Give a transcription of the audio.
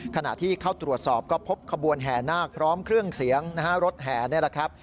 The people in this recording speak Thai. ขณะที่เข้าตรวจสอบก็พบขบวนแห่นาคพร้อมเครื่องเสียงนะฮะรถแห่นี่แหละครับ